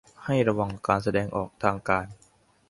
ให้ระวังการแสดงออกทางการ